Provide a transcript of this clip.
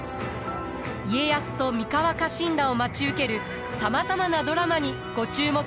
家康と三河家臣団を待ち受けるさまざまなドラマにご注目ください。